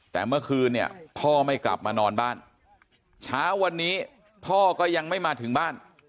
แต่เมื่อคืนเนี่ยพ่อไม่กลับมานอนบ้านเช้าวันนี้พ่อก็ยังไม่มาถึงบ้าน